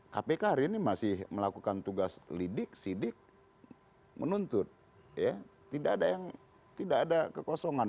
kpk hari ini masih melakukan tugas lidik sidik menuntut ya tidak ada yang tidak ada kepomenaan